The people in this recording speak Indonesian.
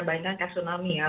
bayangkan tsunami ya